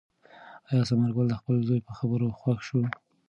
آیا ثمر ګل د خپل زوی په خبرو خوښ شو؟